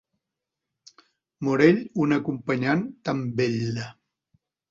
Morell una acompanyant tan bella.